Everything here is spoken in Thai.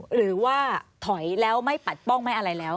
หรือว่าถอยแล้วไม่ปัดป้องไม่อะไรแล้ว